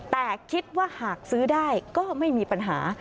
แต่คิดว่าหากซื้อได้ก็ไม่มีปัญหา